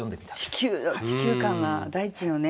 地球地球感が大地のね